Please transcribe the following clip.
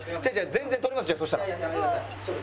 全然取りますよそしたら。